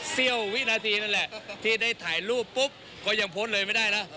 เสี้ยววินาทีนั่นแหละที่ได้ถ่ายรูปปุ๊บก็ยังโพสต์เลยไม่ได้แล้ว